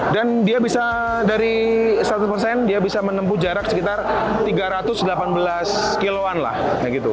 dan dia bisa dari seratus dia bisa menempuh jarak sekitar tiga ratus delapan belas km lah kayak gitu